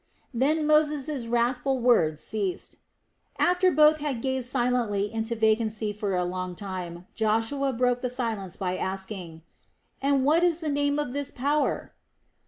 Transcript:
Then Moses' wrathful words ceased. After both had gazed silently into vacancy a long time, Joshua broke the silence by asking: "And what is the name of this power?"